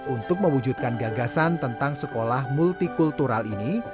untuk mewujudkan gagasan tentang sekolah multikultural ini